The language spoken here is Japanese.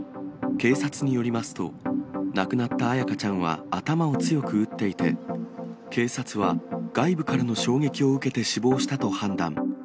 警察によりますと、亡くなった彩花ちゃんは頭を強く打っていて、警察は外部からの衝撃を受けて死亡したと判断。